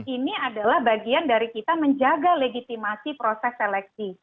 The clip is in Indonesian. ini adalah bagian dari kita menjaga legitimasi proses seleksi